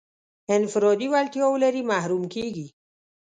انفرادي وړتیا ولري محروم کېږي.